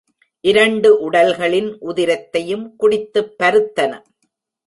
இரண்டு உடல்களின் உதிரத்தையும் குடித்துப் பருத்தன.